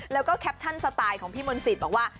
แล้วก็แคปชั่นสไตล์ของพี่มนต์สิทธิ์บอกว่า